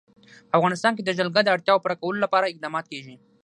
په افغانستان کې د جلګه د اړتیاوو پوره کولو لپاره اقدامات کېږي.